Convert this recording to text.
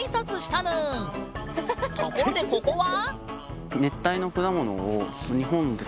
ところでここは？